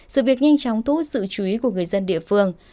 sự việc nhanh chóng thú sự chú ý của người dân địa phương